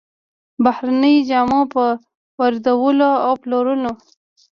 بهرنيو جامو پر واردولو او پلورلو